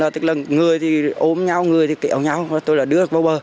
tức là người thì ôm nhau người thì kẹo nhau tôi là đưa vào bờ